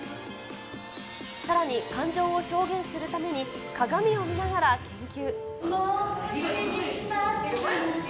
さらに感情を表現するために、鏡を見ながら研究。